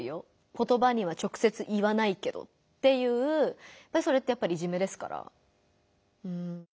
言葉には直接言わないけど」っていうそれってやっぱりいじめですから。